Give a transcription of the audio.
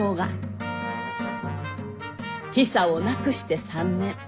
ヒサを亡くして３年。